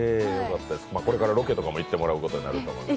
これからロケとかも行ってもらうことになると思うので。